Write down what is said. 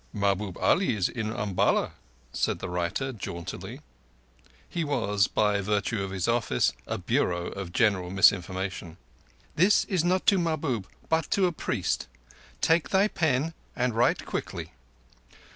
"Mahbub Ali is in Umballa," said the writer jauntily. He was, by virtue of his office, a bureau of general misinformation. "This is not to Mahbub, but to a priest. Take thy pen and write quickly.